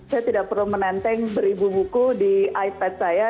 saya tidak perlu menenteng beribu buku di ipad saya